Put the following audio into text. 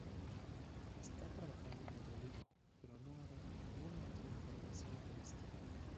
Está trabajando en otro libro, pero no ha dado ninguna otra información de este.